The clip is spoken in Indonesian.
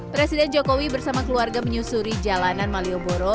presiden jokowi bersama keluarga menyusuri jalanan malioboro